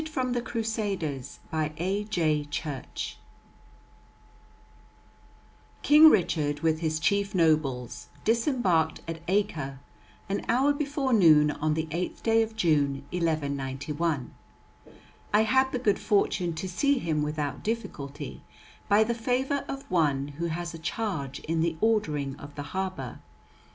CHAPTER XIII RICHARD THE LION HEARTED King Richard, with his chief nobles, disembarked at Acre an hour before noon on the 8th day of June, 1191. I had the good fortune to see him without difficulty, by the favour of one who has a charge in the ordering of the harbour.